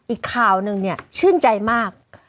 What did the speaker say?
อีกข่าวหนึ่งเนี่ยชื่นใจมาก